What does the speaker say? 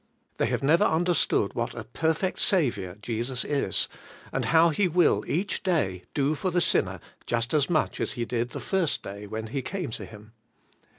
They have never understood what a perfect Saviour Jesus is, and how AS YOU CAME TO HIM, BY FAITH. 43 He will each day do for the sinner just as much as He did the first day when he came to Him.